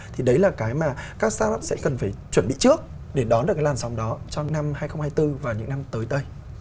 thì đấy là cái mà các start up sẽ cần phải chuẩn bị trước để đón được cái làn sóng đó cho năm hai nghìn hai mươi bốn và những năm tới đây